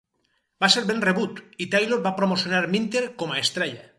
Va ser ben rebut, i Taylor va promocionar Minter com a estrella.